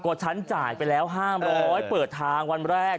ก็ฉันจ่ายไปแล้วห้ามร้อยเปิดทางวันแรก